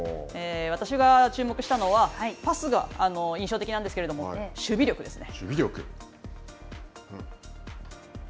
私が注目したのは、パスが印象的なんですけれども、守備力ですね。